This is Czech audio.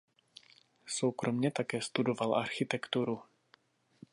Soukromě také studoval architekturu.